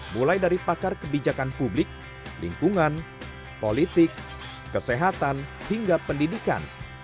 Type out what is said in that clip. mulai dari pakar kebijakan publik lingkungan politik kesehatan hingga pendidikan